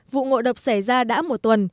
vụ ngộ độc xảy ra đã một tuần